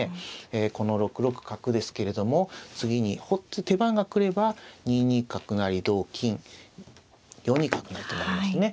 ええこの６六角ですけれども次に手番が来れば２二角成同金４二角成と成りますね。